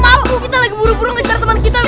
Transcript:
mabuk kita lagi buru buru mencari teman kita buk